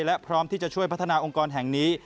และพร้อมที่จะช่วยพัฒนาองค์กรแห่งนี้